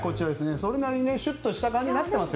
それなりにシュッとした感じになっていますよ